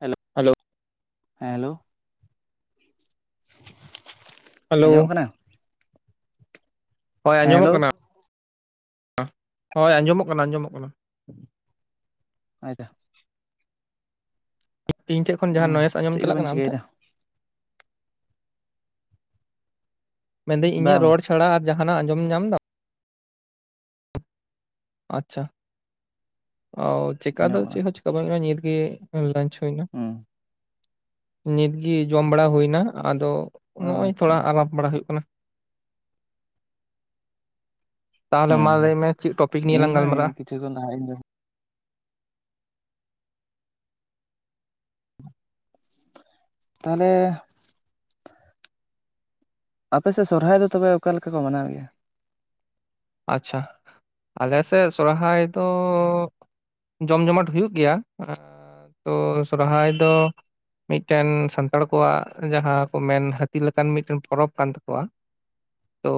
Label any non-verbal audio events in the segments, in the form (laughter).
Hello ᱦᱮᱸ hello hello ᱟᱸᱡᱚᱢᱚᱜ ᱠᱟᱱᱟ ᱦᱳᱭ ᱦᱮᱸ ᱟᱸᱡᱚᱢᱚᱜ ᱦᱮᱞᱳ ᱠᱟᱱᱟ ᱦᱳᱭ ᱟᱸᱡᱚᱢᱚᱜ ᱠᱟᱱᱟ ᱟᱸᱡᱚᱢᱚᱜ ᱠᱟᱱᱟ᱾ (unintelligible) ᱤᱧ ᱴᱷᱮᱡ ᱠᱷᱚᱱ ᱡᱟᱦᱟᱸ ᱱᱚᱭᱮᱥ ᱟᱸᱡᱚᱢ ᱪᱮᱫ ᱪᱟᱞᱟᱜ ᱠᱚᱵᱮᱱ ᱠᱟᱱᱟ ᱟᱢ ᱴᱷᱮᱱ? ᱪᱤᱠᱟᱹᱭᱮᱫᱟ ᱢᱮᱱᱫᱟᱹᱧ ᱤᱧᱟᱹᱜ ᱵᱟᱝ ᱨᱚᱲ ᱵᱟᱝ ᱪᱷᱟᱲᱟ ᱟᱨ ᱡᱟᱦᱟᱱᱟᱜ ᱟᱸᱡᱚᱢ ᱧᱟᱢ ᱫᱟᱢ ᱟᱪᱪᱷᱟ ᱚ ᱪᱮᱠᱟ ᱫᱚ ᱟᱸᱡᱚᱢᱚᱜ ᱠᱟᱱᱟ ᱪᱮᱦᱚᱸ ᱪᱮᱠᱟ ᱵᱟᱝ ᱠᱟᱱᱟ ᱱᱤᱛᱜᱮ ᱞᱟᱱᱪ ᱦᱩᱸ ᱱᱤᱛᱜᱮ ᱡᱚᱢ ᱵᱟᱲᱟ ᱦᱩᱭᱱᱟ ᱟᱫᱚ ᱚ ᱱᱚᱜᱼᱚᱭ ᱟᱪᱪᱷᱟ ᱛᱷᱚᱲᱟ ᱟᱪᱪᱷᱟ (unintelligible) ᱵᱟᱲᱟ ᱦᱩᱭᱩᱜ ᱠᱟᱱᱟ᱾ ᱛᱟᱦᱞᱮ ᱦᱩᱸ ᱢᱟ ᱦᱩᱸ ᱞᱟᱹᱭ ᱢᱮ ᱪᱮᱫ ᱴᱚᱯᱤᱠ ᱱᱤᱭᱮ ᱞᱟᱝ ᱤᱧᱦᱚᱸ ᱜᱟᱞᱢᱟᱨᱟᱼᱟ? ᱠᱤᱪᱷᱩ ᱠᱷᱚᱱ ᱞᱟᱦᱟ ᱤᱧ ᱛᱟᱦᱚᱞᱮ ᱟᱯᱮ ᱥᱮᱫ ᱥᱚᱨᱦᱟᱭ ᱫᱚ ᱛᱚᱵᱮ ᱚᱠᱟ ᱞᱮᱠᱟ ᱠᱚ ᱢᱟᱱᱟᱣ ᱜᱮᱭᱟ? ᱟᱪᱪᱷᱟ ᱟᱞᱮ ᱥᱮᱫ ᱥᱚᱨᱦᱟᱭ ᱫᱚ ᱡᱚᱢ ᱡᱚᱢᱟᱴ ᱦᱩᱭᱩᱜ ᱜᱮᱭᱟ ᱛᱚ ᱥᱚᱨᱦᱟᱭ ᱫᱚ ᱢᱤᱫᱴᱮᱱ ᱥᱟᱱᱛᱟᱲ ᱠᱚᱣᱟᱜ ᱡᱟᱦᱟᱸ ᱠᱚ ᱢᱮᱱ ᱦᱟᱹᱛᱤ ᱞᱮᱠᱟᱱ ᱢᱤᱫᱴᱮᱱ ᱯᱚᱨᱚᱵᱽ ᱠᱟᱱ ᱛᱟᱠᱚᱣᱟ ᱛᱚ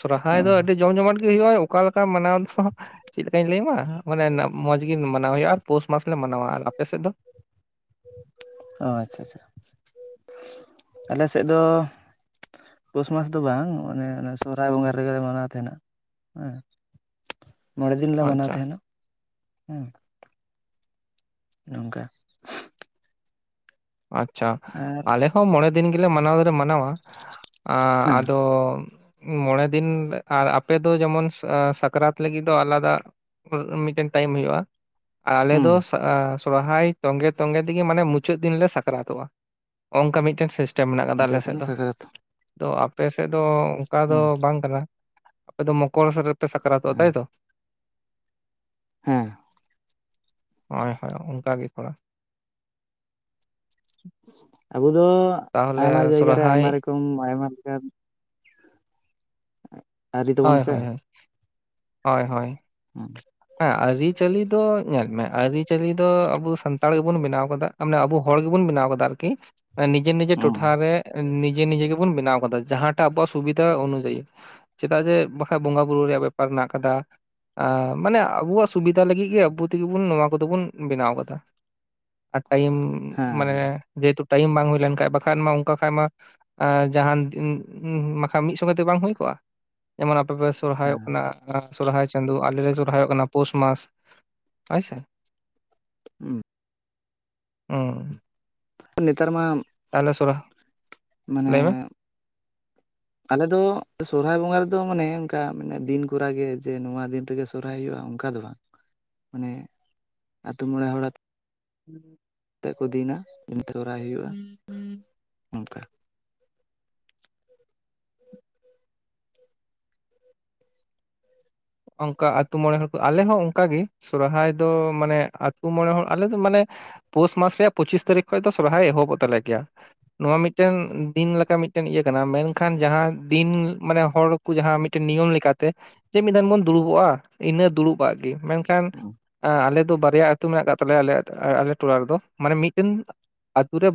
ᱥᱚᱨᱦᱟᱭ ᱦᱩᱸ ᱫᱚ ᱟᱹᱰᱤ ᱡᱚᱢ ᱡᱚᱢᱟᱴ ᱦᱩᱭᱩᱜᱼᱟ ᱚᱠᱟ ᱞᱮᱠᱟ ᱢᱟᱱᱟᱣ ᱪᱮᱫ ᱞᱮᱠᱟᱧ ᱞᱟᱹᱭ ᱟᱢᱟ ᱢᱟᱱᱮ ᱢᱚᱸᱡᱽ ᱜᱮ ᱢᱟᱱᱟᱣ ᱦᱩᱭᱩᱜᱼᱟ ᱟᱨ ᱯᱳᱥ ᱢᱟᱥ ᱞᱮ ᱢᱟᱱᱟᱣᱟ ᱟᱯᱮ ᱥᱮᱫ ᱫᱚ? ᱚ ᱟᱪᱪᱷᱟ ᱟᱪᱪᱷᱟ ᱟᱞᱮ ᱥᱮᱫ ᱫᱚ ᱯᱳᱥ ᱢᱟᱥ ᱫᱚ ᱵᱟᱝ ᱚᱱᱮ ᱥᱚᱨᱟᱭ ᱵᱚᱸᱜᱟ ᱨᱮᱜᱮᱞᱮ ᱢᱟᱱᱟᱣ ᱛᱟᱦᱮᱱᱟ᱾ ᱦᱮᱸ ᱢᱚᱬᱮ ᱫᱤᱱ ᱞᱮ ᱢᱟᱱᱟᱣ ᱟᱪᱪᱷᱟ ᱛᱟᱦᱮᱱᱟ᱾ ᱦᱮᱸ ᱱᱚᱝᱠᱟ (unintelligible) ᱟᱪᱪᱷᱟ ᱟᱨ ᱟᱞᱮ ᱦᱚᱸ ᱢᱚᱬᱮ ᱫᱤᱱ ᱜᱮᱞᱮ ᱢᱟᱱᱟᱣ ᱫᱚᱞᱮ ᱢᱟᱱᱟᱣᱟ᱾ ᱟ ᱦᱮᱸ ᱟᱫᱚ ᱢᱚᱬᱮ ᱫᱤᱱ ᱟᱨ ᱟᱯᱮ ᱫᱚ ᱡᱮᱢᱚᱱ ᱥᱟᱠᱨᱟᱛ ᱞᱟᱹᱜᱤᱫ ᱫᱚ ᱟᱞᱟᱫᱟ ᱢᱤᱫᱴᱮᱱ ᱴᱟᱭᱤᱢ ᱦᱩᱭᱩᱜᱼᱟ ᱟᱨ ᱟᱞᱮ ᱦᱩᱸ ᱫᱚ ᱥᱚᱨᱦᱟᱭ ᱛᱚᱸᱜᱮ ᱛᱚᱸᱜᱮ ᱛᱮᱜᱮ ᱢᱟᱱᱮ ᱢᱩᱪᱟᱹᱫ ᱫᱤᱱ ᱞᱮ ᱥᱟᱠᱨᱟᱛᱚᱜᱼᱟ ᱱᱚᱜ ᱱᱚᱝᱠᱟ ᱢᱤᱫᱴᱮᱱ ᱥᱤᱥᱴᱮᱢ ᱢᱮᱱᱟᱜ ᱟᱠᱟᱫᱟ ᱢᱩᱪᱟᱹᱫ ᱟᱞᱮᱥᱮᱫ ᱮᱱᱟ ᱫᱚ᱾ ᱥᱟᱠᱨᱟᱛ ᱛᱚ ᱟᱯᱮ ᱥᱮᱫ ᱫᱚ? ᱫᱚ ᱚᱱᱠᱟ ᱫᱚ ᱦᱩᱸ ᱵᱟᱝ ᱠᱟᱱᱟ ᱟᱯᱮ ᱫᱚ ᱢᱚᱠᱚᱨ ᱥᱮᱫ ᱨᱮᱯᱮ ᱥᱟᱠᱨᱟᱛᱚᱜᱼᱟ ᱦᱮᱸ ᱛᱟᱭᱛᱚ? ᱦᱮᱸ ᱦᱳᱭ ᱦᱳᱭ ᱚᱱᱠᱟᱜᱮ ᱛᱷᱚᱲᱟ ᱟᱵᱚ ᱫᱚ ᱟᱭᱢᱟ ᱛᱟᱦᱚᱞᱮ ᱡᱟᱭᱜᱟ ᱨᱮ ᱥᱚᱨᱦᱟᱭ ᱟᱭᱢᱟ ᱨᱚᱠᱚᱢ ᱟᱭᱢᱟ ᱞᱮᱠᱟᱱ ᱟᱹᱨᱤ ᱛᱟᱵᱚᱱ ᱦᱳᱭ ᱥᱮ ᱦᱳᱭ ᱦᱳᱭ ᱦᱳᱭ ᱦᱳᱭ ᱦᱮᱸ ᱦᱮᱸ ᱟᱹᱨᱤᱪᱟᱹᱞᱤ ᱫᱚ ᱧᱮᱞ ᱢᱮ ᱟᱹᱨᱤᱪᱟᱹᱞᱤ ᱫᱚ ᱟᱵᱚ ᱥᱟᱱᱛᱟᱲ ᱜᱮᱵᱚᱱ ᱵᱮᱱᱟᱣ ᱟᱠᱟᱫᱟ ᱢᱟᱱᱮ ᱟᱵᱚ ᱦᱚᱲ ᱜᱮᱵᱚᱱ ᱵᱮᱱᱟᱣ ᱟᱠᱟᱫᱟ। ᱛᱟᱨᱠᱤ ᱱᱤᱡᱮ ᱱᱤᱡᱮ ᱦᱮᱸ ᱴᱚᱴᱷᱟ ᱨᱮ ᱱᱤᱡᱮ ᱱᱤᱡᱮ ᱜᱮ ᱵᱟᱵᱚᱱ ᱵᱮᱱᱟᱣ ᱟᱠᱟᱫᱟ ᱡᱟᱦᱟᱸᱴᱟᱜ ᱟᱵᱚᱣᱟᱜ ᱥᱩᱵᱤᱫᱷᱟ ᱚᱱᱩᱫᱟ. ᱭᱤ ᱪᱮᱫᱟᱜ ᱡᱮ ᱵᱟᱠᱟᱡ ᱵᱚᱸᱜᱟ ᱵᱩᱨᱩ ᱨᱮᱭᱟᱜ ᱵᱮᱯᱟᱨ ᱢᱮᱱᱟᱜ ᱟᱠᱟᱫᱟ? ᱢᱟᱱᱮ ᱟᱵᱚᱣᱟᱜ ᱥᱩᱵᱤᱫᱷᱟ ᱞᱟᱹᱜᱤᱫ ᱜᱮ ᱟᱵᱚ ᱛᱮᱜᱮ ᱵᱚᱱ ᱱᱚᱣᱟ ᱠᱚᱫᱚ ᱵᱚᱱ ᱵᱮᱱᱟᱣ ᱟᱠᱟᱫᱟ। ᱟᱨ ᱴᱟ. ᱭᱤᱢ ᱦᱮᱸ ᱢᱟᱱᱮ ᱡᱮᱦᱮᱛᱩ ᱴᱟ. ᱭᱤᱢ ᱵᱟᱝ ᱦᱩᱭ ᱞᱮᱱᱠᱷᱟᱱ ᱵᱟᱠᱷᱟᱱ ᱢᱟ ᱚᱱᱠᱟ ᱠᱷᱟᱢ ᱢᱟ ᱡᱟᱦᱟᱱ ᱢᱤᱫ ᱥᱚᱸᱜᱮ ᱛᱮ ᱵᱟᱝ ᱦᱩᱭ ᱠᱚᱜᱼᱟ। ᱡᱮᱢᱚᱱ ᱟᱯᱮᱯᱮ ᱥᱚᱦᱨᱟᱭᱚᱜ ᱦᱮᱸ ᱠᱟᱱᱟ ᱥᱚᱨᱦᱟᱭ ᱪᱟᱸᱫᱳ ᱟᱞᱮ ᱞᱮ ᱥᱚᱨᱦᱟᱭᱚᱜ ᱠᱟᱱᱟ ᱯᱩᱥ ᱢᱟᱥ। (inaudible) ᱚᱸ ᱱᱮᱛᱟᱨ ᱢᱟ ᱟᱢ ᱟᱞᱮ ᱥᱚᱨᱟ ᱢᱟᱱᱮ ᱟᱞᱮ ᱫᱚ ᱥᱚᱦᱨᱟᱭ ᱵᱚᱸᱜᱟ ᱨᱮᱫᱚ ᱫᱚ ᱢᱟᱱᱮ ᱚᱱᱠᱟ ᱢᱟᱱᱮ ᱫᱤᱱ ᱠᱚᱨᱟ ᱜᱮ ᱡᱮ ᱱᱚᱣᱟ ᱫᱤᱱ ᱨᱮᱜᱮ ᱥᱚᱨᱦᱟᱭ ᱦᱩᱭᱩᱜᱼᱟ ᱚᱱᱠᱟ ᱫᱚ ᱵᱟᱝ। ᱢᱟᱱᱮ ᱟ. ᱛᱩ ᱢᱚᱬᱮ ᱦᱚᱲ ᱟᱛᱮ (inaudible) ᱛᱮᱫ ᱠᱚ ᱫᱤᱱᱟ ᱮᱱᱛᱮ ᱠᱚᱨᱟᱣ ᱦᱩᱭᱩᱜᱼᱟ ᱚᱱᱠᱟ। (inaudible) ᱚᱱᱠᱟ ᱟ. ᱛᱩ ᱢᱚᱬᱮ ᱦᱚᱲ ᱠᱚ ᱟᱞᱮ ᱦᱚᱸ ᱚᱱᱠᱟᱜᱮ ᱥᱚᱨᱟᱦᱟᱭ ᱫᱚ ᱢᱟᱱᱮ ᱟᱹᱛᱩ ᱢᱚᱬᱮ ᱦᱚᱲ ᱟᱞᱮ ᱫᱚ ᱢᱟᱱᱮ ᱯᱩᱥ ᱢᱟᱥ ᱨᱮᱭᱟᱜ ᱯᱩᱪᱤᱥ ᱛᱟᱹᱨᱤᱠᱷ ᱠᱷᱱᱡ ᱫᱚ ᱥᱚᱨᱦᱟᱭ ᱮᱦᱚᱵᱚᱜ ᱛᱟᱞᱮ ᱠᱮᱭᱟ ᱱᱚᱣᱟ ᱢᱤᱫᱴᱟ. ᱝ ᱫᱤᱱ ᱞᱮᱠᱟ ᱢᱤᱫ ᱢᱤᱫᱴᱟ. ᱝ ᱤᱭᱟᱹ ᱠᱟᱱᱟ ᱢᱮᱱᱠᱷᱟᱱ ᱡᱟᱦᱟᱸ ᱫᱤᱱ ᱢᱟᱱᱮ ᱦᱚᱲ ᱠᱚ ᱡᱟᱦᱟᱸ ᱢᱤᱫᱴᱟ. ᱝ ᱱᱤᱭᱚᱢ ᱞᱮᱠᱟᱛᱮ ᱡᱮ ᱢᱤᱫ ᱢᱚᱱ ᱫᱩᱲᱩᱵᱚᱜᱼᱟ ᱤᱱᱟᱹ ᱫᱩᱲᱩᱵᱟᱜ ᱜᱮ ᱢᱮᱱᱠᱷᱟᱱ ᱟ-ᱟᱞᱮ ᱫᱚ ᱵᱟᱨᱭᱟ ᱟᱹᱛᱩ ᱢᱮᱱᱟᱜ ᱟᱠᱟᱫ ᱛᱟᱞᱮᱭᱟ ᱟᱞᱮ ᱟᱞᱮ ᱴᱚᱞᱟ ᱨᱮᱫᱚ ᱢᱟᱱᱮ ᱢᱤᱫᱴᱟ. ᱱ ᱟᱹᱛᱩ ᱨᱮ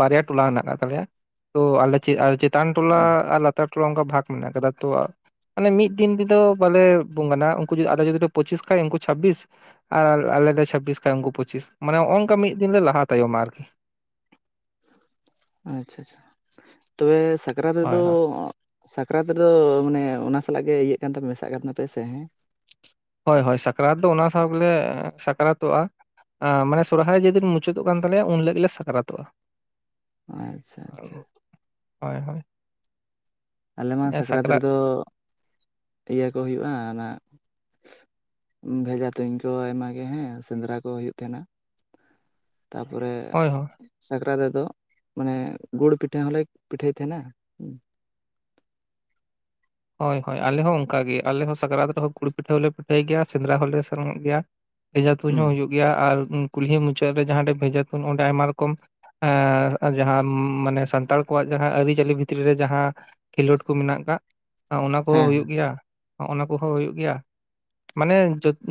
ᱵᱟᱨᱭᱟ ᱴᱚᱞᱟ ᱦᱮᱱᱟᱜ ᱟᱠᱟᱫ ᱛᱟᱞᱮᱭᱟ ᱛᱚ ᱟᱞᱮ ᱪᱮᱫ ᱟᱞᱮ ᱪᱮᱫ ᱪᱮᱛᱟᱱ ᱴᱚᱞᱟ ᱟᱨ ᱞᱟᱛᱟᱨ ᱴᱚᱞᱟ ᱚᱱᱠᱟ ᱵᱷᱟᱜ ᱢᱮᱱᱟᱜ ᱟᱠᱟᱫᱟ ᱛᱚ ᱢᱟᱱᱮ ᱢᱤᱫ ᱫᱤᱱ ᱛᱮᱫᱚ ᱵᱟᱞᱮ ᱵᱚᱝᱜᱱᱟ ᱩᱱᱠᱩ ᱡᱩᱫᱤ ᱟᱞᱮ ᱡᱚᱫᱤ ᱫᱚ ᱯᱚᱪᱤᱥ ᱠᱷᱟᱡ ᱩᱱᱠᱩ ᱪᱷᱟ. ᱵᱤᱥ ᱟᱨ ᱟᱞᱮᱞᱮ ᱪᱷᱟ. ᱵᱤᱥ ᱠᱷᱟᱡ ᱩᱱᱠᱩ ᱯᱚᱪᱤᱥ ᱢᱟᱱᱮ ᱱᱚᱝᱠᱟ ᱢᱤᱫ ᱫᱤᱱ ᱞᱮ ᱞᱟᱦᱟ ᱛᱟᱭᱚᱢᱟ ᱟᱨ ᱟᱪᱪᱷᱟ ᱟᱪᱪᱷᱟ ᱛᱚᱵᱮ ᱥᱟᱠᱨᱟᱛ ᱦᱳᱭ ᱨᱮᱫᱚ ᱦᱳᱭ ᱥᱟᱠᱨᱟᱛ ᱨᱮᱫᱚ ᱢᱟᱱᱮ ᱚᱱᱟ ᱥᱟᱞᱟᱜ ᱜᱮ ᱤᱭᱟᱹᱜ ᱠᱟᱱ ᱛᱟᱯᱮ ᱢᱮᱥᱟᱜ ᱠᱟᱱ ᱛᱟᱯᱮ ᱥᱮ ᱦᱮᱸ। ᱦᱚᱭ ᱥᱟᱠᱨᱟᱛ ᱫᱚ ᱚᱱᱟ ᱥᱟᱶ ᱜᱮᱞᱮ ᱥᱟᱠᱨᱟᱛᱚᱜᱼᱟ᱾ ᱢᱟᱱᱮ ᱥᱚᱨᱦᱟᱭ ᱡᱮᱫᱤᱱ ᱢᱩᱪᱟᱹᱫᱚᱜ ᱠᱟᱱ ᱛᱟᱞᱮᱭᱟ ᱩᱱ ᱦᱤᱞᱟᱹᱜ ᱜᱮ ᱞᱮ ᱥᱟᱠᱨᱟᱛᱚᱜᱼᱟ᱾ ᱟᱪᱪᱷᱟ ᱟᱪᱪᱷᱟ ᱦᱚᱭ ᱦᱚᱭ᱾ ᱟᱞᱮ ᱢᱟ ᱥᱟᱠᱨᱟᱛ ᱨᱮᱫᱚ ᱤᱭᱟᱹ ᱠᱚ ᱦᱩᱭᱩᱜᱼᱟ ᱚᱱᱟ ᱵᱷᱮᱡᱟ ᱛᱩᱧ ᱠᱚ ᱟᱭᱢᱟ ᱜᱮ ᱦᱮᱸ ᱥᱮᱸᱫᱽᱨᱟ ᱠᱚ ᱦᱩᱭᱩᱜ ᱛᱟᱦᱮᱱᱟ᱾ ᱛᱟᱯᱚᱨᱮ ᱦᱳᱭ ᱦᱳᱭ ᱥᱟᱠᱨᱟᱛ ᱨᱮ ᱟᱫᱚ ᱢᱟᱱᱮ ᱜᱩᱲ ᱯᱤᱴᱷᱟᱹ ᱦᱚᱸᱞᱮ ᱯᱤᱴᱷᱟᱹᱭᱮᱫ ᱛᱟᱦᱮᱱᱟ᱾ ᱦᱚᱭ ᱦᱚᱭ ᱟᱞᱮ ᱦᱚᱸ ᱚᱱᱠᱟ ᱜᱮ ᱟᱞᱮ ᱦᱚᱸ ᱥᱟᱠᱨᱟᱛ ᱨᱮᱫᱚ ᱜᱩᱲ ᱯᱤᱴᱷᱟᱹ ᱦᱚᱞᱮ ᱯᱤᱴᱷᱟᱹᱭ ᱜᱮᱭᱟ ᱥᱮᱸᱫᱽᱨᱟ ᱦᱚᱸᱞᱮ ᱥᱮᱱᱚᱜ ᱜᱮᱭᱟ᱾ ᱵᱷᱮᱡᱟ ᱛᱩᱧ ᱦᱩᱸ ᱦᱚᱸ ᱦᱩᱭᱩᱜ ᱜᱮᱭᱟ ᱟᱨ ᱠᱩᱞᱦᱤ ᱢᱩᱪᱟᱹᱫ ᱨᱮ ᱡᱟᱦᱟᱸ ᱨᱮ ᱵᱷᱮᱡᱟ ᱛᱩᱧ ᱚᱸᱰᱮ ᱟᱭᱢᱟ ᱨᱚᱠᱚᱢ ᱟᱨ ᱡᱟᱦᱟᱸ ᱢᱟᱱᱮ ᱥᱟᱱᱛᱟᱲ ᱠᱚᱣᱟᱜ ᱡᱟᱦᱟᱸ ᱟᱹᱨᱤᱪᱟᱹᱞᱤ ᱵᱷᱤᱛᱨᱤ ᱨᱮ ᱡᱟᱦᱟᱸ ᱠᱷᱤᱞᱚᱰ ᱠᱚ ᱢᱮᱱᱟᱜ ᱠᱟᱠ ᱚᱱᱟ ᱠᱚ ᱦᱮᱸ ᱦᱩᱭᱩᱜ ᱜᱮᱭᱟ ᱚᱱᱟ ᱠᱚᱦᱚᱸ ᱦᱩᱭᱩᱜ ᱜᱮᱭᱟ᱾ ᱢᱟᱱᱮ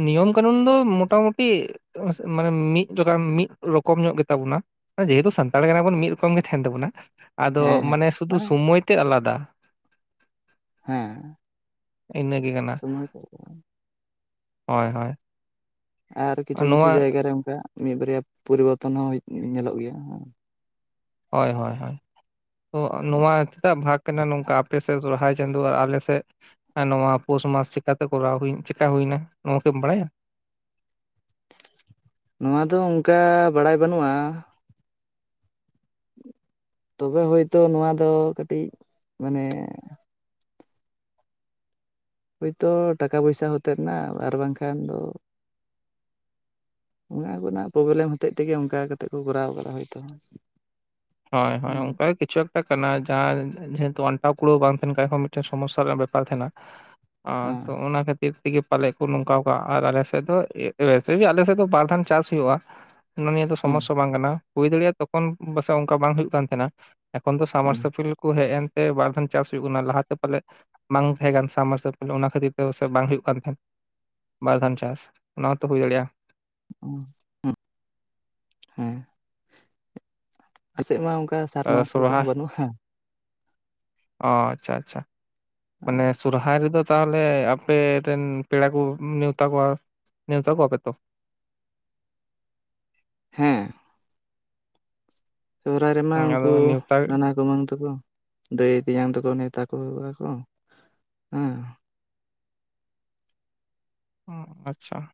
ᱱᱤᱭᱚᱢ ᱠᱟᱹᱱᱩᱱ ᱫᱚ ᱢᱚᱴᱟᱢᱩᱴᱤ ᱢᱟᱱᱮ ᱡᱚᱫᱟᱢ ᱢᱤᱫ ᱨᱚᱠᱚᱢ (unintelligible) ᱟᱫᱚ ᱦᱮᱸ ᱦᱮᱸ ᱢᱟᱱᱮ ᱥᱩᱫᱩ ᱥᱚᱢᱚᱭ ᱛᱮ ᱟᱞᱟᱫᱟ᱾ ᱦᱮᱸ᱾ ᱤᱱᱟᱹᱜᱮ ᱠᱟᱱᱟ᱾ ᱥᱚᱢᱚᱭ ᱛᱮ ᱦᱚᱭ ᱦᱚᱭ᱾ ᱟᱨ ᱠᱤᱪᱷᱩ ᱠᱤᱪᱷᱩ ᱡᱟᱭᱜᱟ ᱨᱮ ᱚᱱᱠᱟ ᱢᱤᱫ ᱵᱟᱨᱭᱟ ᱯᱩᱨᱩᱵᱚᱛᱚᱱ ᱦᱚᱸ ᱧᱮᱞᱚᱜ ᱜᱮᱭᱟ᱾ ᱦᱚᱭ ᱦᱚᱭ ᱦᱚᱭ ᱱᱚᱣᱟ ᱪᱮᱫᱟᱜ ᱵᱷᱟᱜᱽ ᱠᱟᱱᱟ ᱱᱚᱝᱠᱟ ᱟᱯᱮ ᱥᱮᱫ ᱥᱚᱨᱦᱟᱭ? (unintelligible) ᱱᱚᱣᱟ ᱫᱚ ᱚᱱᱠᱟ ᱵᱟᱲᱟᱭ ᱵᱟᱹᱱᱩᱜᱼᱟ ᱛᱚᱵᱮ ᱦᱚᱭᱛᱳ ᱱᱚᱣᱟ ᱫᱚ ᱠᱟᱹᱴᱤᱡ ᱢᱟᱱᱮ ᱦᱳᱭᱛᱳ ᱴᱟᱠᱟ ᱯᱚᱭᱥᱟ ᱦᱚᱛᱮᱫ ᱮᱱᱟ ᱟᱨ ᱵᱟᱝᱠᱷᱟᱱ ᱫᱚ ᱚᱱᱟ ᱠᱚᱨᱮᱱᱟᱜ ᱯᱨᱚᱵᱞᱮᱢ ᱦᱚᱛᱮᱡ ᱛᱮᱜᱮ ᱚᱱᱠᱟ ᱠᱟᱛᱮᱮᱫ ᱠᱚ ᱠᱚᱨᱟᱣ ᱠᱟᱫᱟ ᱦᱳᱭᱛᱳ ᱦᱳᱭ ᱦᱳᱭ ᱦᱮᱸ ᱚᱱᱠᱟᱜᱮ ᱠᱤᱪᱷᱩ ᱮᱠᱴᱟ ᱠᱟᱱᱟ ᱡᱟᱦᱟᱸ ᱡᱮᱛᱚ ᱟᱱ ᱠᱩᱲᱟᱹ ᱵᱟᱝ ᱛᱟᱦᱮᱱ ᱠᱷᱟᱡ ᱦᱚᱸ ᱢᱤᱫᱴᱮᱱ ᱥᱚᱢᱚᱥᱥᱟ ᱨᱮᱱᱟᱜ ᱵᱮᱯᱟᱨ ᱛᱟᱦᱮᱱᱟ ᱛᱚ ᱦᱮᱸ ᱚᱱᱟ ᱠᱷᱟᱹᱛᱤᱨ ᱛᱮᱜᱮ ᱯᱟᱞᱮᱫ ᱠᱚ ᱱᱚᱝᱠᱟ ᱠᱚᱟᱜ ᱟᱨ ᱟᱞᱮ ᱥᱮᱫ ᱫᱚ ᱟᱞᱮ ᱥᱮᱫ ᱫᱚ ᱵᱟᱨ ᱫᱷᱟᱣ ᱪᱟᱥ ᱦᱩᱭᱩᱜᱼᱟ ᱚᱱᱟ ᱱᱤᱭᱟᱹ ᱫᱚ ᱥᱚᱢᱚᱥᱥᱟ ᱵᱟᱝ ᱠᱟᱱᱟ ᱦᱩᱭ ᱫᱟᱲᱮᱭᱟᱜᱼᱟ ᱛᱚᱠᱷᱚᱱ ᱯᱟᱥᱮᱡ ᱚᱱᱠᱟ ᱵᱟᱝ ᱦᱩᱭᱩᱜ ᱠᱟᱱ ᱛᱟᱦᱮᱸᱱᱟ ᱮᱠᱷᱚᱱ ᱫᱚ ᱦᱮᱸ ᱥᱟᱢᱟᱨᱥᱯᱤᱞ ᱠᱚ ᱦᱮᱡ ᱮᱱ ᱵᱟᱨ ᱫᱷᱟᱣ ᱪᱟᱥ ᱦᱩᱭᱩᱜ ᱠᱟᱱᱟ ᱞᱟᱦᱟᱛᱮ ᱯᱟᱞᱮᱫ ᱵᱟᱝ ᱛᱟᱦᱮᱸ ᱠᱟᱱᱟ ᱥᱟᱵᱢᱟᱨᱥᱟᱞᱟᱞ ᱚᱱᱟ ᱠᱷᱟᱹᱛᱤᱨ ᱛᱮ ᱥᱮ ᱵᱟᱝ ᱦᱩᱭᱩᱜ ᱠᱟᱱ ᱛᱟᱦᱮᱸᱫ ᱵᱟᱨ ᱜᱟᱱ ᱪᱟᱥ ᱚᱱᱟ ᱦᱚᱸᱛᱚ ᱦᱩᱭ ᱫᱟᱲᱮᱭᱟᱜᱼᱟ ᱦᱮᱸ ᱯᱟᱥᱮᱫ ᱢᱟ ᱚᱱᱠᱟ ᱥᱟᱨᱱᱟ ᱟᱥᱛᱟᱞ ᱥᱚᱨᱦᱟᱭ ᱠᱚᱦᱚᱸ ᱵᱟᱹᱱᱩᱜᱼᱟ ᱚ ᱟᱪᱪᱷᱟ ᱟᱪᱪᱷᱟ ᱢᱟᱱᱮ ᱥᱚᱨᱦᱟᱭ ᱨᱮᱫᱚ ᱛᱟᱦᱚᱞᱮ ᱟᱯᱮ ᱨᱮᱱ ᱯᱮᱲᱟ ᱠᱚ ᱱᱮᱣᱛᱟ ᱠᱚᱣᱟ ᱱᱮᱣᱛᱟ ᱠᱚᱣᱟ ᱯᱮ ᱛᱚ ᱦᱮᱸ ᱥᱚᱦᱨᱟᱭ ᱨᱮᱢᱟ ᱦᱩᱸ, ᱟᱫᱚ ᱩᱱᱠᱩ ᱱᱮᱣᱛᱟ ᱱᱟᱱᱟ ᱠᱚᱢᱟᱹᱟᱝ ᱛᱟᱠᱚ ᱫᱟᱹᱭ ᱛᱮᱧᱟᱝ ᱛᱟᱠᱚ ᱚᱱ ᱛᱟᱠᱚ ᱠᱚ ᱦᱮᱸ ᱟᱪᱪᱷᱟ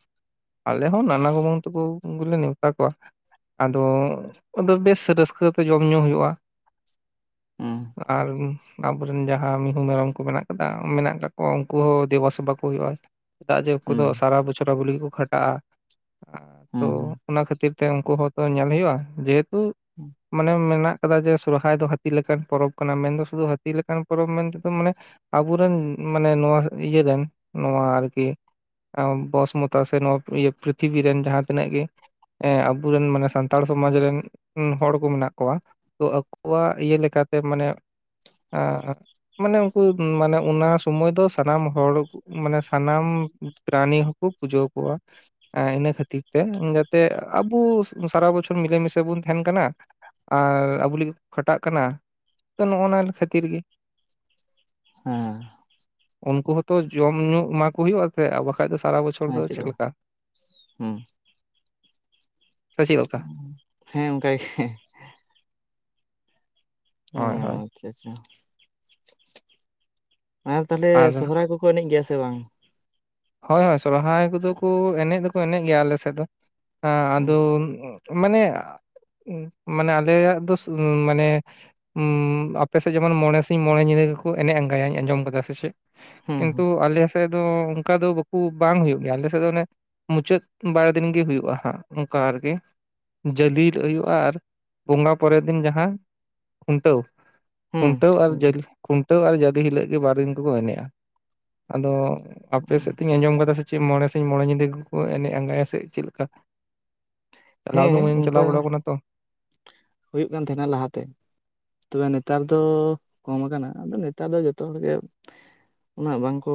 ᱟᱞᱮ ᱦᱚᱸ ᱱᱟᱱᱟ ᱠᱩᱢᱟᱝ ᱛᱟᱠᱚ ᱜᱮᱞᱮ ᱱᱮᱣᱛᱟ ᱠᱚᱣᱟ ᱟᱫᱚ ᱵᱮᱥ ᱨᱟᱹᱥᱠᱟᱹᱛᱮ ᱡᱚᱢ ᱧᱩ ᱦᱩᱭᱩᱜᱼᱟ ᱦᱩᱸ ᱟᱨ ᱟᱵᱚᱨᱮᱱ ᱡᱟᱦᱟᱸ ᱢᱤᱦᱩ ᱢᱮᱨᱚᱢ ᱠᱚ ᱢᱮᱱᱟᱜ ᱟᱠᱟᱫᱠᱚᱣᱟ ᱩᱱᱠᱩ ᱦᱚᱸ ᱫᱮᱵᱟ ᱥᱮᱵᱟ ᱠᱚ ᱦᱩᱭᱩᱜᱼᱟ ᱪᱮᱫᱟᱜ ᱡᱮ ᱩᱱᱠᱩ ᱫᱚ ᱦᱩᱸ ᱥᱟᱨᱟ ᱵᱚᱪᱷᱚᱨᱟ ᱟᱵᱚ ᱞᱟ. ᱜᱩᱫ ᱜᱮᱠᱚ ᱠᱷᱟᱴᱟᱜᱼᱟ ᱛᱚ ᱦᱩᱸ ᱚᱱᱟ ᱠᱷᱟᱹᱛᱤᱨ ᱛᱮ ᱩᱱᱠᱩ ᱦᱚᱸᱛᱚ ᱧᱮᱞ ᱦᱩᱭᱩᱜᱼᱟ ᱡᱮᱦᱮᱛᱩ ᱦᱩᱸ ᱢᱟᱱᱮ ᱢᱮᱱᱟᱜ ᱠᱚ ᱡᱮ ᱥᱚᱨᱦᱟᱭ ᱫᱚ ᱦᱟᱹᱛᱤ ᱞᱮᱠᱟᱱ ᱯᱚᱨᱚᱵᱽ ᱠᱟᱱᱟ ᱢᱮᱱᱫᱚ ᱥᱩᱫᱷᱩ ᱦᱟᱹᱛᱤ ᱞᱮᱠᱟᱱ ᱯᱚᱨᱚᱵᱽ ᱢᱮᱱᱛᱮᱫᱚ ᱢᱟᱱᱮ ᱟᱵᱚᱨᱮᱱ ᱢᱟᱱᱮ ᱱᱚᱣᱟ ᱤᱭᱟᱹ ᱨᱮᱱ ᱱᱚᱣᱟ ᱟᱨᱠᱤ ᱵᱚᱥᱢᱚᱛᱟ ᱥᱮ ᱱᱚᱣᱟ ᱯᱨᱤᱛᱷᱤᱵᱤ ᱨᱮᱱ ᱡᱟᱦᱟᱸ ᱛᱤᱱᱟᱹᱜ ᱜᱮ ᱦᱮᱸ ᱟᱵᱚᱨᱮᱱ ᱢᱟᱱᱮ ᱥᱟᱱᱛᱟᱲ ᱥᱚᱢᱟᱡᱽ ᱨᱮᱱ ᱦᱚᱲ ᱠᱚ ᱢᱮᱱᱟᱜ ᱠᱚᱣᱟ ᱛᱚ ᱟᱠᱚᱣᱟᱜ ᱤᱭᱟᱹ ᱞᱮᱠᱟ ᱛᱮ ᱢᱟᱱᱮ ᱢᱟᱱᱮ ᱩᱱᱠᱩ ᱢᱟᱱᱮ ᱚᱱᱟ ᱥᱚᱢᱚᱭ ᱫᱚ ᱥᱟᱱᱟᱢ ᱦᱚᱲ ᱢᱟᱱᱮ ᱥᱟᱱᱟᱢ ᱯᱨᱟᱱᱤ ᱦᱚᱸᱠᱚ ᱯᱩᱡᱟᱹ ᱠᱚᱣᱟ ᱤᱱᱟᱹ ᱠᱷᱟᱹᱛᱤᱨ ᱛᱮ ᱡᱟᱛᱮ ᱟᱵᱚ ᱥᱟᱨᱟᱵᱚᱫ ᱵᱚᱪᱷᱚᱨ ᱢᱤᱞᱮ ᱢᱤᱥᱮ ᱵᱚᱱ ᱛᱟᱦᱮᱸᱱ ᱠᱟᱱᱟ ᱟᱨ ᱟᱵᱚ ᱞᱟᱹᱜᱤᱫ ᱠᱷᱟᱴᱟᱜ ᱠᱟᱱᱟ ᱛᱚ ᱱᱚᱜᱼ ᱱᱚᱣᱟ ᱠᱷᱟᱹᱛᱤᱨ ᱜᱮ ᱦᱮᱸ ᱩᱱᱠᱩ ᱦᱚᱸᱛᱚ ᱡᱚᱢ ᱧᱩ ᱮᱢᱟ ᱠᱚ ᱦᱩᱭᱩᱜᱼᱟᱛ ᱟᱨ ᱵᱟᱠᱷᱟᱡ ᱫᱚ ᱥᱟᱨᱟ ᱵᱚᱪᱷᱚᱨ ᱦᱮᱸ ᱫᱚ ᱪᱮᱫ ᱪᱮᱫᱟᱜ ᱞᱮᱠᱟ ᱵᱟᱝ ᱥᱮ ᱪᱮᱫ ᱞᱮᱠᱟ ᱦᱮᱸ ᱚᱱᱠᱟᱜᱮ ᱚ ᱦᱳᱭ ᱦᱳᱭ ᱟᱪᱪᱷᱟ ᱟᱪᱪᱷᱟ ᱟᱨ ᱛᱟᱦᱞᱮ ᱥᱚᱦᱚᱨᱟᱭ ᱠᱚᱠᱚ ᱮᱱᱮᱡ ᱜᱮᱭᱟ ᱥᱮ ᱵᱟᱝ ᱦᱳᱭ ᱦᱳᱭ ᱥᱚᱨᱦᱟᱭ ᱠᱚᱫᱚ ᱠᱚ ᱮᱱᱮᱡ ᱫᱚᱠᱚ ᱮᱱᱮᱡ ᱜᱮᱭᱟ ᱟᱞᱮ ᱥᱮᱫ ᱫᱚᱸ ᱦᱩᱸ ᱟᱫᱚ ᱢᱟᱱᱮ ᱢᱟᱱᱮ ᱟᱞᱮᱭᱟᱜ ᱫᱚ ᱢᱟᱱᱮ ᱟᱯᱮᱥᱮᱫ ᱡᱮᱢᱚᱱ ᱢᱚᱬᱮ ᱥᱤᱧ ᱢᱚᱬᱮ ᱧᱤᱫᱟ. ᱠᱚ ᱮᱱᱮᱡ ᱟᱸᱜᱟᱭᱟ ᱟᱸᱡᱚᱢ ᱟᱠᱟᱫᱟ ᱥᱮ ᱪᱮᱫ ᱠᱤᱱᱛᱩ ᱦᱩᱸ ᱟᱞᱮ ᱥᱮᱫ ᱫᱚ ᱚᱱᱠᱟ ᱫᱚ ᱵᱟᱠᱚ ᱵᱟᱝ ᱦᱩᱭᱩᱜ ᱜᱮᱭᱟ ᱟᱞᱮ ᱥᱮᱫ ᱫᱚ ᱚᱱᱮ ᱢᱩᱪᱟᱹᱫ ᱵᱟᱨ ᱫᱤᱱ ᱜᱮ ᱦᱩᱭᱩᱜᱼᱟ ᱦᱟᱸᱜ ᱚᱱᱠᱟ ᱟᱨᱠᱤ ᱡᱟᱹᱞᱮ ᱦᱩᱭᱩᱜᱼᱟ ᱟᱨ ᱵᱚᱸᱜᱟ ᱯᱚᱨᱮᱨ ᱫᱤᱱ ᱡᱟᱦᱟᱸ ᱠᱷᱩᱱᱴᱟᱹᱣ ᱦᱩᱸ ᱠᱷᱩᱱᱴᱟᱹᱣ ᱟᱨ ᱡᱟᱹᱞᱮ ᱠᱷᱩᱱᱴᱟᱹᱣ ᱟᱨ ᱡᱟᱹᱞᱮ ᱦᱤᱞᱳᱜ ᱜᱮ ᱵᱟᱨ ᱫᱤᱱ ᱠᱚᱠᱚ ᱮᱱᱮᱡᱼᱟ ᱟᱫᱚ ᱟᱯᱮ ᱥᱮᱫ ᱛᱤᱧ ᱟᱸᱡ ᱠᱟᱫᱟ ᱥᱮ ᱪᱮᱫ ᱢᱚᱬᱮ ᱥᱤᱧ ᱢᱚᱬᱮ ᱧᱤᱫᱟᱹ ᱜᱮᱠᱚ ᱮᱱᱮᱡ ᱟᱸᱜᱟᱭᱟ ᱥᱮ ᱪᱮᱫ ᱞᱮᱠᱟ ᱪᱟᱞᱟᱣ ᱫᱚ ᱦᱮᱸ ᱢᱮ ᱚᱱᱠᱟ ᱪᱟᱞᱟᱣ ᱵᱟᱲᱟᱟᱣ ᱠᱟᱱᱟ ᱛᱚ ᱦᱩᱭᱩᱜ ᱠᱟᱱ ᱛᱟᱦᱮᱸᱱᱟ ᱞᱟᱦᱟᱛᱮ ᱛᱚᱵᱮ ᱱᱮᱛᱟᱨ ᱫᱚ ᱠᱚᱢ ᱠᱟᱱᱟ ᱟᱫᱚ ᱱᱮᱛᱟᱨ ᱫᱚ ᱡᱚᱛᱚ ᱦᱚᱲᱜᱮ ᱩᱱᱟᱹᱜ ᱵᱟᱝᱠᱚ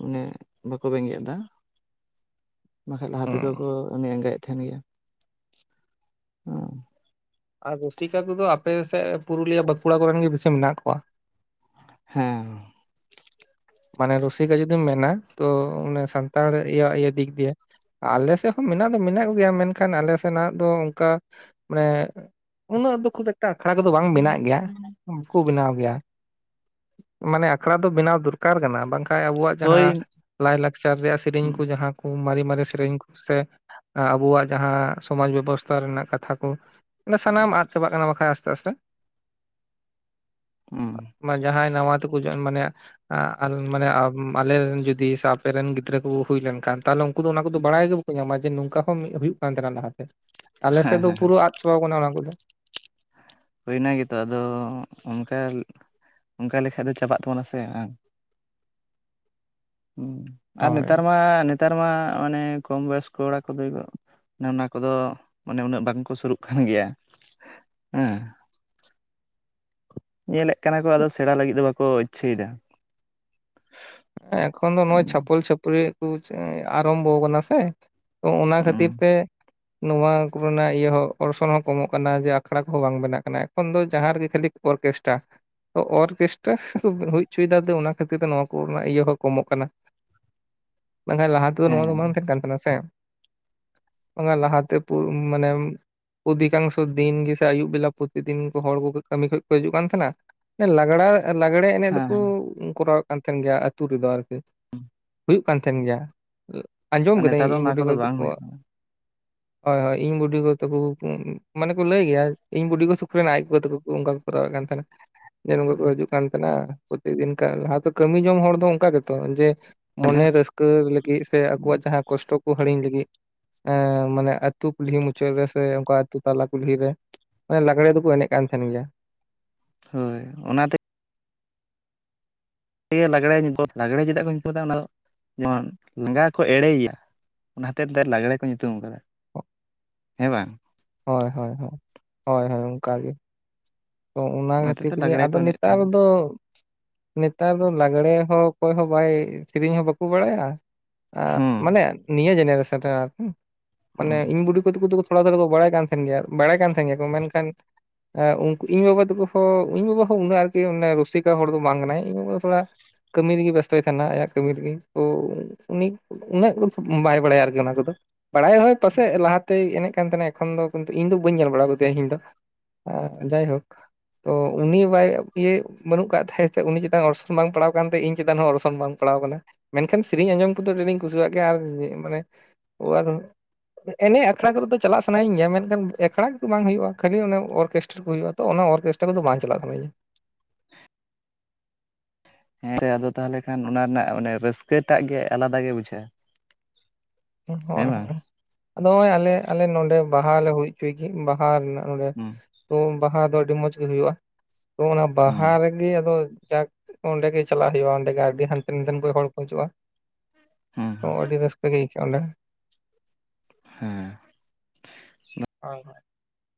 ᱢᱟᱱᱮ ᱵᱟᱠᱚ ᱵᱮᱸᱜᱮᱫ ᱫᱟ (inaudible) ᱵᱟᱠᱷᱟᱡ ᱞᱟᱦᱟ ᱦᱩᱸ ᱛᱮᱫᱚ ᱠᱚ ᱩᱱᱤ (unintelligible) ᱛᱟᱦᱮᱱ ᱜᱮᱭᱟ ᱦᱮᱸ ᱟᱨ ᱨᱩᱥᱤᱠᱟ ᱠᱚᱫᱚ ᱟᱯᱮ ᱥᱮᱫ ᱯᱩᱨᱩᱞᱤᱭᱟᱹ ᱵᱟᱸᱠᱩᱲᱟ ᱠᱚᱨᱮᱱ ᱜᱮ ᱵᱮᱥᱤ ᱢᱮᱱᱟᱜ ᱠᱚᱣᱟ᱾ ᱦᱮᱸ ᱢᱟᱱᱮ ᱨᱩᱥᱤᱠᱟ ᱡᱩᱫᱤᱢ ᱢᱮᱱᱟ ᱛᱚ ᱚᱱᱮ ᱥᱟᱱᱛᱟᱲ ᱤᱭᱟᱹ ᱫᱤᱠ ᱫᱤᱭᱮ ᱟᱞᱮ ᱥᱮᱫ ᱦᱚᱸ ᱢᱮᱱᱟᱜᱼᱟ᱾ ᱫᱚ ᱢᱮᱱᱟᱜ ᱜᱮᱭᱟ ᱢᱮᱱᱠᱷᱟᱱ ᱟᱞᱮ ᱥᱮᱱᱟᱜ ᱫᱚ ᱚᱱᱠᱟ ᱢᱟᱱᱮ ᱩᱱᱟᱹᱜ ᱫᱚ ᱠᱷᱩᱵ ᱮᱠᱴᱟ ᱟᱠᱷᱲᱟ ᱠᱚᱫᱚ ᱵᱟᱝ ᱵᱮᱱᱟᱜ ᱜᱮᱭᱟ, (unintelligible) ᱢᱟᱱᱮ ᱟᱠᱷᱲᱟ ᱫᱚ ᱵᱮᱱᱟᱣ ᱫᱚᱨᱠᱟᱨ ᱠᱟᱱᱟ ᱵᱟᱝᱠᱷᱟᱱ ᱦᱮ ᱟᱵᱚᱣᱟᱜ ᱦᱳᱭ ᱡᱟᱦᱟᱸ ᱞᱟᱭᱼᱞᱟᱠᱪᱟᱨ ᱨᱮᱭᱟᱜ ᱥᱮᱨᱮᱧ ᱦᱩᱸ ᱠᱚ ᱡᱟᱦᱟᱸ ᱠᱚ ᱢᱟᱨᱮ ᱢᱟᱨᱮ ᱥᱮᱨᱮᱧ ᱠᱚ ᱥᱮ ᱟᱵᱚᱣᱟᱜ ᱡᱟᱦᱟᱸ ᱥᱚᱢᱟᱡᱽ ᱵᱮᱵᱚᱥᱛᱷᱟ ᱨᱮᱱᱟᱜ ᱠᱟᱛᱷᱟ ᱠᱚ ᱢᱟᱱᱮ ᱥᱟᱱᱟᱢ ᱟᱫ ᱪᱟᱵᱟᱜ ᱠᱟᱱᱟ ᱵᱟᱠᱷᱟᱡ ᱟᱥᱛᱮ ᱟᱥᱛᱮ᱾ (inaudible) ᱦᱮᱸ ᱡᱟᱦᱟᱸᱭ ᱱᱟᱣᱟ ᱛᱮᱠᱚ ᱢᱟᱱᱮ, ᱢᱟᱱᱮ ᱟᱞᱮᱨᱮᱱ ᱡᱩᱫᱤ ᱥᱮ ᱟᱯᱮᱨᱮ ᱨᱮᱱ ᱜᱤᱫᱽᱨᱟᱹ ᱠᱚ ᱦᱩᱭ ᱞᱮᱱᱠᱷᱟᱱ ᱛᱟᱦᱚᱞᱮ ᱩᱱᱠᱩ ᱫᱚ ᱚᱱᱟ ᱠᱚᱫᱚ ᱵᱟᱲᱟᱭ ᱜᱮ ᱧᱟᱢᱟ ᱡᱮ ᱱᱚᱝᱠᱟ ᱦᱚᱸ ᱢᱤᱫ ᱦᱩᱭᱩᱜ ᱠᱟᱱ ᱛᱟᱦᱮᱱᱟ ᱞᱟᱦᱟᱛᱮ ᱾ ᱟᱞᱮᱥᱮᱫ ᱫᱚ ᱦᱮᱸ ᱯᱩᱨᱟᱹ ᱟᱫ ᱪᱟᱵᱟᱣ ᱟᱠᱟᱱᱟ ᱚᱱᱟ ᱠᱚᱫᱚ᱾ ᱦᱩᱭᱱᱟ ᱜᱮᱛᱚ ᱟᱫᱚ ᱚᱱᱠᱟ ᱚᱱᱠᱟ ᱞᱮᱠᱷᱟ ᱫᱚ ᱪᱟᱵᱟᱜ ᱛᱟᱵᱚᱱᱟ ᱥᱮ ᱵᱟᱝ? ᱟᱨ ᱱᱮᱛᱟᱨ ᱦᱳᱭ ᱢᱟ ᱱᱮᱛᱟᱨ ᱢᱟ ᱢᱟᱱᱮ ᱠᱚᱢ ᱵᱚᱭᱚᱥ ᱠᱚ ᱚᱲᱟ ᱠᱚᱫᱚ ᱚᱱᱟ ᱠᱚᱫᱚ ᱢᱟᱱᱮ ᱩᱱᱟᱹᱜ ᱵᱟᱝᱠᱚ ᱥᱩᱨᱩᱜ ᱠᱟᱱ ᱜᱮᱭᱟ᱾ ᱦᱮᱸ ᱧᱮᱞᱮᱫ ᱠᱟᱱᱟ ᱠᱚ ᱟᱫᱚ ᱥᱮᱬᱟ ᱞᱟᱹᱜᱤᱫ ᱫᱚ ᱵᱟᱠᱚ ᱤᱪᱪᱷᱟᱹᱭᱮᱫᱟ᱾ ᱮᱠᱷᱚᱱ ᱫᱚ ᱱᱚᱜᱼᱚᱭ ᱦᱩᱸ ᱪᱷᱟᱯᱚᱞ ᱪᱷᱟᱹᱯᱨᱤ ᱟᱨᱟᱢᱵᱷᱚ ᱠᱟᱱᱟ ᱥᱮ ᱛᱚ ᱚᱱᱟ ᱠᱷᱟᱹᱛᱤᱨ ᱦᱮᱸ ᱛᱮ ᱱᱚᱣᱟ ᱠᱚᱨᱮᱱᱟᱜ ᱤᱭᱟᱹ ᱦᱚᱸ ᱚᱨᱥᱚᱝ ᱦᱚᱸ ᱠᱚᱢᱚᱜ ᱠᱟᱱᱟ, ᱡᱮ ᱟᱠᱷᱲᱟ ᱠᱚᱦᱚᱸ ᱵᱟᱝ ᱵᱮᱱᱟᱜ ᱠᱟᱱᱟ ᱮᱠᱷᱚᱱ ᱫᱚ ᱡᱟᱦᱟᱸ ᱨᱮᱜᱮ ᱠᱷᱟᱹᱞᱤ ᱚᱨᱠᱮᱥᱴᱨᱟ ᱛᱚ ᱚᱨᱠᱮᱥᱴᱟᱨ ᱦᱩᱭ ᱦᱚᱪᱚᱭᱮᱫᱟ ᱚᱱᱟ ᱠᱷᱟᱹᱛᱤᱨ ᱛᱮ ᱱᱚᱣᱟ ᱠᱚ ᱨᱮᱱᱟᱜ ᱤᱭᱟᱹ ᱦᱚᱸ ᱠᱚᱢᱚᱜ ᱠᱟᱱᱟ᱾ ᱢᱮᱱᱠᱷᱟᱱ ᱞᱟᱦᱟ ᱛᱮᱫᱚ ᱱᱚᱣᱟ ᱫᱚ ᱵᱟᱝ ᱛᱟᱦᱮᱸ ᱠᱟᱱ ᱛᱟᱦᱮᱱᱟ ᱥᱮ (inaudible) (unintelligible) ᱞᱟᱦᱟᱛᱮ (unintelligible) ᱢᱟᱱᱮ ᱚᱫᱷᱤᱠᱟᱝᱥᱚ ᱫᱤᱱ ᱜᱮᱥᱮ ᱟᱭᱩᱵ ᱵᱮᱞᱟ ᱯᱨᱚᱛᱤᱫᱤᱱ ᱦᱚᱲ ᱠᱚ ᱠᱟᱹᱢᱤ ᱠᱷᱚᱡ ᱠᱚ ᱦᱤᱡᱩᱜ ᱠᱟᱱ ᱛᱟᱦᱮᱸᱱᱟ᱾ ᱞᱟᱜᱽᱲᱟ ᱞᱟᱜᱽᱲᱮ ᱮᱱᱮᱡ ᱫᱚᱠᱚ ᱦᱮᱸ ᱠᱚᱨᱟᱣᱮᱫ ᱠᱟᱱ ᱛᱟᱦᱮᱱ ᱜᱮᱭᱟ ᱟᱹᱛᱩ ᱨᱮᱫᱚ ᱟᱨᱠᱤ ᱦᱮᱸ ᱦᱩᱭᱩᱜ ᱠᱟᱱ ᱛᱟᱦᱮᱸᱱ ᱜᱮᱭᱟ ᱟᱸᱡᱚᱢ ᱠᱟᱹᱫᱤᱧ ᱱᱮᱛᱟᱨ ᱫᱚ ᱤᱧ ᱚᱱᱟ ᱵᱩᱰᱤ ᱜᱚ ᱠᱚᱫᱚ ᱵᱟᱝ ᱦᱩᱭᱩᱜ ᱛᱟᱠᱚᱣᱟᱜ ᱦᱳᱭ ᱦᱳᱭ ᱤᱧ ᱵᱩᱰᱤᱜᱚ ᱛᱟᱠᱚ ᱢᱟᱱᱮ ᱠᱚ ᱞᱟᱹᱭ ᱜᱮᱭᱟ ᱤᱧ ᱵᱩᱰᱤᱜᱚ ᱥᱩᱠᱨᱤ ᱨᱮᱱ ᱟᱡᱜᱚ ᱛᱟᱠᱚ ᱚᱱᱠᱟ ᱠᱚᱨᱟᱣ ᱠᱟᱱ ᱛᱟᱦᱮᱱᱟ ᱡᱮ ᱱᱚᱝᱠᱟ ᱠᱚ ᱦᱤᱡᱩᱜ ᱠᱟᱱ ᱛᱟᱦᱮᱱᱟ ᱯᱨᱚᱛᱤᱫᱤᱱ ᱞᱟᱦᱟᱛᱮ ᱠᱟᱹᱢᱤ ᱡᱚᱝ ᱦᱚᱲ ᱫᱚ ᱚᱱᱠᱟ ᱜᱮᱛᱚ ᱡᱮ ᱠᱟᱱᱟ ᱢᱚᱱᱮ ᱨᱟᱹᱥᱠᱟᱹ ᱞᱟᱹᱜᱤᱫ ᱥᱮ ᱟᱠᱚᱣᱟᱜ ᱡᱟᱦᱟᱸ ᱠᱚᱥᱴᱚ ᱠᱚ ᱦᱤᱲᱤᱧ ᱞᱟᱹᱜᱤᱫ ᱮ ᱢᱟᱱᱮ ᱟᱹᱛᱩ ᱠᱩᱞᱦᱤ ᱢᱩᱪᱟᱹᱫ ᱨᱮᱥᱮ ᱚᱱᱠᱟ ᱟᱹᱛᱩ ᱛᱟᱞᱟ ᱠᱩᱞᱦᱤ ᱨᱮ ᱞᱟᱜᱽᱲᱮ ᱫᱚᱠᱚ ᱮᱱᱮᱡ ᱠᱟᱱ ᱛᱟᱦᱮᱱ ᱜᱮᱭᱟ᱾ ᱦᱳᱭ ᱚᱱᱟᱛᱮ ᱞᱟᱸᱜᱽᱲᱮ ᱞᱟᱸᱜᱽᱲᱮ ᱪᱮᱫᱟᱜ ᱠᱚ ᱧᱩᱛᱩᱢ ᱟᱫᱟ ᱚᱱᱟ ᱫᱚ ᱡᱮᱢᱚᱱ ᱞᱟᱸᱜᱟ ᱠᱚ ᱮᱲᱮᱭᱮᱭᱟ᱾ ᱚᱱᱟ ᱦᱚᱛᱮᱫ ᱞᱟᱜᱽᱲᱮ ᱠᱚ ᱧᱩᱛᱩᱢ ᱠᱟᱫᱟ᱾ ᱦᱮᱸ ᱵᱟᱝ? ᱦᱳᱭ ᱦᱳᱭ ᱦᱳᱭ ᱦᱳᱭ ᱦᱳᱭ ᱚᱝᱠᱟ ᱜᱮ ᱛᱚ ᱚᱱᱟ ᱠᱷᱟᱹᱛᱤᱨ ᱛᱮᱫᱚ ᱜᱮ ᱞᱟᱜᱽᱲᱮ ᱠᱚ ᱟᱫᱚ ᱮᱱᱮᱡ ᱱᱮᱛᱟᱨ ᱛᱟᱦᱮᱸᱱ ᱫᱚ ᱱᱮᱛᱟᱨ ᱫᱚ ᱞᱟᱜᱽᱲᱮ ᱦᱚᱸ ᱚᱠᱚᱭ ᱦᱚᱸ ᱵᱟᱭ ᱥᱮᱨᱮᱧ ᱦᱚᱸ ᱵᱟᱠᱚ ᱵᱟᱲᱟᱭᱟ ᱦᱩᱸ ᱢᱟᱱᱮ ᱱᱤᱭᱟᱹ ᱡᱮᱱᱮᱨᱚᱥᱚ (unintelligible) ᱢᱟᱱᱮ ᱦᱩᱸ ᱤᱧ ᱵᱩᱰᱤ ᱠᱚᱛᱮ ᱠᱚ ᱛᱷᱚᱲᱟ ᱛᱷᱚᱲᱟ ᱵᱟᱲᱟᱭ ᱛᱟᱦᱮᱱ ᱜᱮᱭᱟ ᱵᱟᱲᱟᱭ ᱠᱟᱱ ᱛᱟᱦᱮᱱ ᱜᱮᱭᱟ ᱠᱚ ᱢᱮᱱᱠᱷᱟᱱ ᱤᱧ ᱵᱟᱵᱟ ᱛᱟᱠᱚ ᱦᱚᱸ ᱤᱧ ᱵᱟᱵᱟ ᱦᱚᱸ ᱩᱱᱟᱹᱜ ᱟᱨᱠᱤ ᱨᱩᱥᱤᱠᱟ ᱦᱚᱲ ᱫᱚ ᱵᱟᱝ ᱠᱟᱱᱟᱭ ᱤᱧ ᱵᱟᱵᱟ ᱫᱚ ᱛᱷᱚᱲᱟ ᱠᱟᱹᱢᱤ ᱨᱮᱜᱮ ᱵᱮᱥᱛᱚᱭ ᱛᱟᱦᱮᱱᱟ ᱟᱭᱟᱜ ᱠᱟᱹᱢᱤ ᱨᱮᱜᱮ ᱛᱚ ᱩᱱᱤ ᱩᱱᱟᱹᱜ ᱵᱟᱭ ᱵᱟᱲᱟᱭᱟ ᱟᱨᱠᱤ ᱚᱱᱟ ᱠᱚᱫᱚ ᱵᱟᱲᱟᱭ ᱦᱳᱭ ᱯᱟᱥᱪᱮᱡ ᱞᱟᱦᱟᱛᱮᱭ ᱮᱱᱮᱡ ᱠᱟᱱ ᱛᱟᱦᱮᱱᱟ ᱮᱠᱷᱚᱱ ᱫᱚ ᱠᱤᱱᱛᱩ ᱤᱧ ᱫᱚ ᱵᱟᱹᱧ ᱧᱮᱞ ᱵᱟᱲᱟ ᱠᱟᱫᱮᱭᱟ ᱤᱧ ᱫᱚ ᱡᱟᱭᱦᱳᱠ ᱛᱚ ᱩᱱᱤ ᱵᱟᱭ ᱤᱭᱟᱹ ᱵᱟᱹᱱᱩᱜ ᱠᱟᱫ ᱛᱟᱭ ᱛᱮ ᱩᱱᱤ ᱪᱮᱛᱟᱱ ᱚᱨᱥᱚᱝ ᱵᱟᱝ ᱯᱟᱲᱟᱣ ᱠᱟᱱ ᱛᱮ ᱤᱧ ᱪᱮᱛᱟᱱ ᱦᱚᱸ ᱚᱨᱥᱚᱝ ᱵᱟᱝ ᱯᱟ ᱥᱟᱯᱲᱟᱣ ᱠᱟᱱᱟ ᱢᱮᱱᱠᱷᱟᱱ ᱥᱮᱨᱮᱧ ᱟᱸᱡᱚᱢ ᱠᱚᱫᱚ ᱟᱹᱰᱤ ᱟᱸᱴᱤᱧ ᱠᱩᱥᱤᱭᱟᱜ ᱜᱮᱭᱟ ᱟᱨ ᱢᱟᱱᱮ ᱮᱱᱮᱡ ᱟᱠᱷᱲᱟ ᱠᱚᱨᱮ ᱫᱚ ᱪᱟᱞᱟᱜ ᱥᱟᱱᱟᱭᱤᱧ ᱜᱮᱭᱟ ᱢᱮᱱᱠᱷᱟᱱ ᱮᱠᱲᱷᱟ ᱠᱚᱜᱮ ᱵᱟᱝ ᱦᱩᱭᱩᱜᱼᱟ ᱠᱷᱟᱹᱞᱤ ᱚᱱᱟ ᱚᱨᱠᱮᱥᱴᱟᱨ ᱠᱚ ᱦᱩᱭᱩᱜᱼᱟ ᱛᱚ ᱚᱱᱟ ᱚᱨᱠᱮᱥᱴᱟᱨ ᱠᱚᱫᱚ ᱵᱟᱝ ᱪᱟᱞᱟᱜ ᱥᱟᱱᱟᱧᱟ᱾ ᱦᱮᱸ ᱛᱮ ᱟᱫᱚ ᱛᱟᱦᱚᱞᱮ ᱠᱷᱟᱱ ᱚᱱᱟ ᱨᱮᱱᱟᱜ ᱢᱟᱱᱮ ᱨᱟᱹᱥᱠᱟᱹᱴᱟᱜ ᱜᱮ ᱟᱞᱟᱫᱟ ᱜᱮ ᱵᱩᱡᱷᱟᱹᱜᱼᱟ᱾ ᱦᱳᱭ ᱦᱮᱸ ᱦᱳᱭ ᱵᱟᱝ ᱟᱫᱚ ᱟᱞᱮ ᱟᱞᱮ ᱱᱚᱸᱰᱮ ᱵᱟᱦᱟ ᱞᱮ ᱦᱩᱭ ᱪᱩᱭ ᱜᱤ ᱵᱟᱦᱟ ᱨᱮᱱᱟᱜ ᱱᱚᱸᱰᱮ ᱦᱩᱸ ᱛᱚ ᱵᱟᱦᱟ ᱫᱚ ᱟᱹᱰᱤ ᱢᱚᱸᱡᱽ ᱜᱮ ᱦᱩᱭᱩᱜᱼᱟ ᱛᱚ ᱚᱱᱟ ᱦᱩᱸ ᱵᱟᱦᱟ ᱨᱮᱜᱮ ᱟᱫᱚ ᱡᱟᱠ ᱚᱸᱰᱮ ᱜᱮ ᱪᱟᱞᱟᱜ ᱦᱩᱭᱩᱜᱼᱟ ᱚᱰᱮ ᱟᱹᱰᱤ ᱦᱟᱱᱛᱮ ᱱᱟᱛᱮᱱ ᱠᱚ ᱦᱚᱲ ᱠᱚ ᱦᱤᱡᱩᱜᱼᱟ᱾ ᱦᱩᱸ ᱛᱚ ᱟᱹᱰᱤ ᱨᱟᱹᱥᱠᱟᱹ ᱜᱮ ᱟᱹᱭᱠᱟᱹᱜᱼᱟ ᱚᱸᱰᱮ᱾ ᱦᱮᱸ (unintelligible)